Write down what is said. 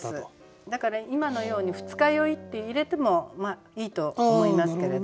だから今のように「二日酔い」って入れてもいいと思いますけれど。